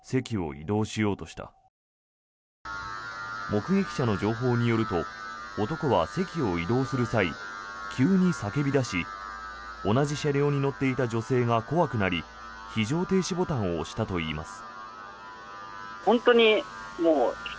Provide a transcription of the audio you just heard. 目撃者の情報によると男は席を移動する際急に叫び出し同じ車両に乗っていた女性が怖くなり非常停止ボタンを押したといいます。